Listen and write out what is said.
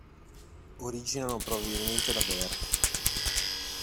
Originano probabilmente da Ver.